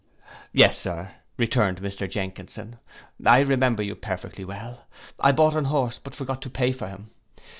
—'Yes, Sir,' returned Mr Jenkinson, 'I remember you perfectly well; I bought an horse, but forgot to pay for him.